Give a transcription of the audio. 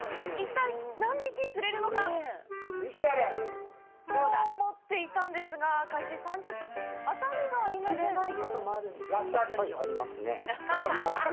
一体、何匹釣れるのか！と思っていたんですが、開始３０分アタリがありません。